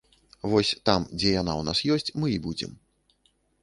Вось там, дзе яна ў нас ёсць, мы і будзем.